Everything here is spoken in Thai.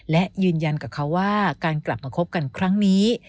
และยืนยันกับเขาว่าการกลับมาคบกันครั้งนี้